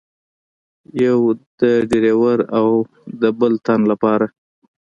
یوه د ډریور او یوه د بل تن له پاره.